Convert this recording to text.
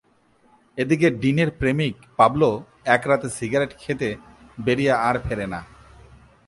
এদিকে ডিনের প্রেমিক পাবলো এক রাতে সিগারেট খেতে বেরিয়ে আর ফেরে না।